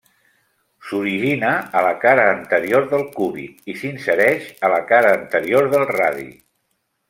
S'origina a la cara anterior del cúbit i s'insereix a la cara anterior del radi.